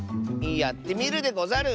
やってみるでござる！